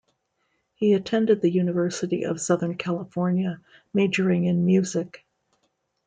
He attended the University of Southern California, majoring in music.